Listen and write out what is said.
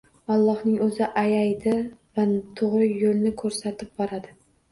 Ollohning o‘zi ayaydi va to‘g‘ri yo‘lni ko‘rsatib boradi.